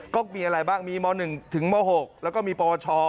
ก็มีอะไรบ้างมีเมาส์๑ถึงเมาส์๖แล้วก็มีปช